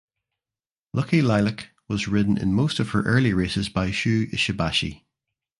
Lucky Lilac was ridden in most of her early races by Shu Ishibashi.